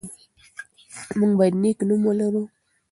موږ باید نېک نوم ولرو.